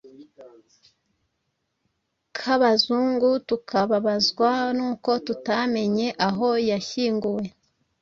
kabazungu, tukababazwa n’uko tutamyenye aho yashyinguwe.